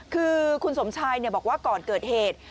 คือคุณสมชายบอกว่าก่อนเกิดเหตุ